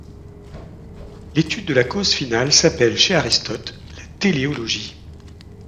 L'étude de la cause finale s'appelle, chez Aristote, la téléologie.